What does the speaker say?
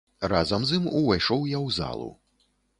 Разам з ім увайшоў я ў залу.